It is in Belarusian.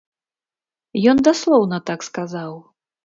Ён даслоўна так сказаў.